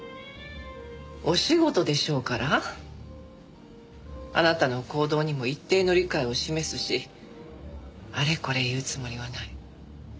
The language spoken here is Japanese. お仕事でしょうからあなたの行動にも一定の理解を示すしあれこれ言うつもりはない。